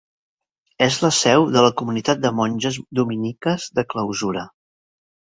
És la seu de la Comunitat de Monges Dominiques de clausura.